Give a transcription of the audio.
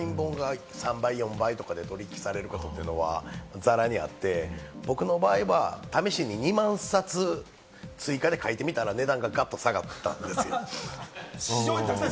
僕らの業界でも３倍、４倍で取引されることは、ざらにあって、僕の場合は試しに２万冊追加で書いてみたら値段がガッと下がったんですよ。